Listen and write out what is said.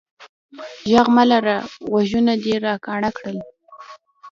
ږغ مه لره، غوږونه دي را کاڼه کړل.